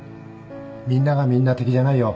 みんながみんな敵じゃないよ